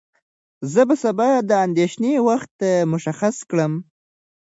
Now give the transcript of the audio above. زه به سبا د اندېښنې وخت مشخص کړم.